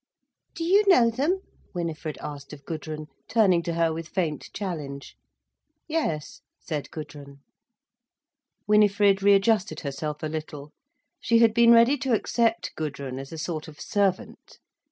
"Do you know them?" Winifred asked of Gudrun, turning to her with faint challenge. "Yes," said Gudrun. Winifred readjusted herself a little. She had been ready to accept Gudrun as a sort of servant.